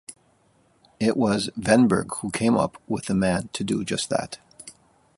It was Wennberg who came up with the man to do just that.